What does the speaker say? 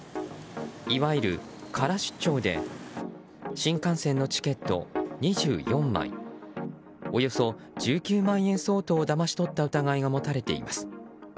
いわゆるカラ出張で新幹線のチケット２４枚およそ１９万円相当をだまし取った疑いが持たれています。